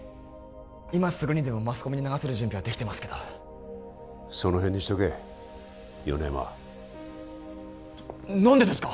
今すぐにでもマスコミに流せる準備はできてますけどその辺にしとけ米山何でですか？